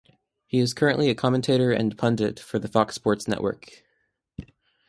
He is currently a commentator and pundit for the Fox Sports network.